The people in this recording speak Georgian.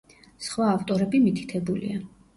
სხვა ავტორები მითითებულია.